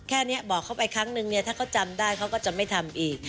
แค่นี้บอกเขาไปครั้งนึงเนี่ยถ้าเขาจำได้เขาก็จะไม่ทำอีก